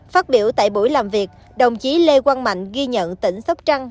phát biểu tại buổi làm việc đồng chí lê quang mạnh ghi nhận tỉnh sóc trăng